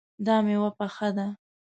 دا میوه پخه ده